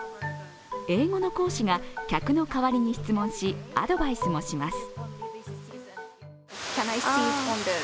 英語の講師が客の代わりに質問しアドバイスもします。